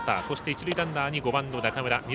そして一塁ランナーに５番の中村。